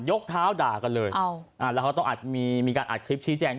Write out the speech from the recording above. ยกเท้าด่ากันเลยอ้าวอ่าแล้วเขาต้องอาจมีมีการอัดคลิปชี้แจ้งด้วย